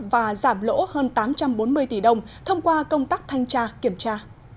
và giảm lỗ hơn tám trăm bốn mươi tỷ đồng thông qua công tác thanh tra kiểm tra